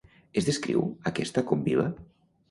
Es descriu aquesta com viva?